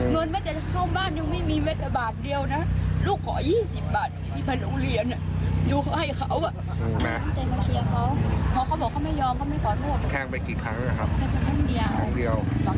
หรอกจะซ้ำนะเดี๋ยวแวนบังมันอยู่ไหนแต่ไหนก็จะติดคุกแล้วไง